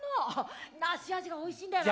梨味がおいしいんだよな。